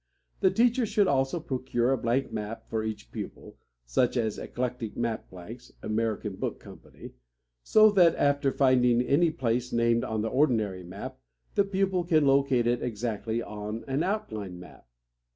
The teacher should also procure a blank map for each pupil (such as the Eclectic Map Blanks, American Book Company), so that, after finding any place named on the ordinary map, the pupil can locate it exactly on an outline map.